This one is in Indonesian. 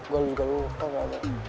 gue juga lupa